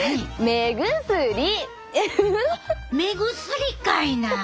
目薬かいな！